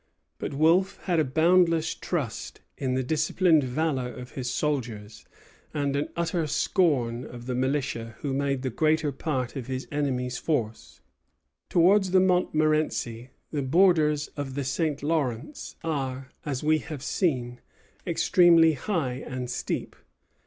But Wolfe had a boundless trust in the disciplined valor of his soldiers, and an utter scorn of the militia who made the greater part of his enemy's force. Towards the Montmorenci the borders of the St. Lawrence are, as we have seen, extremely high and steep.